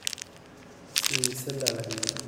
C’est celle-là la mienne.